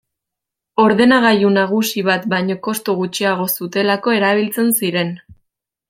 Ordenagailu nagusi bat baino kostu gutxiago zutelako erabiltzen ziren.